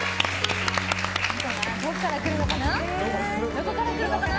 どこから来るのかな？